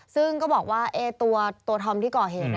ซึ่งก็บอกว่าตัวธอมที่ก่อเหตุ